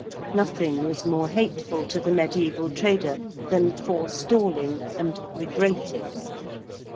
Nothing was more hateful to the mediæval trader than forestalling and regrating.